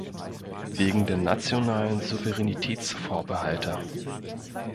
Wegen der nationalen Souveränitätsvorbehalte.